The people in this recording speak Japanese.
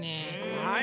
はい。